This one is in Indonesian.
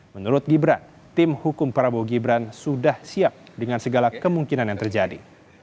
menurut gibran tim hukum prabowo gibran sudah siap dengan segala kemungkinan yang terjadi